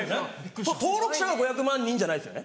登録者が５００万人じゃないですよね？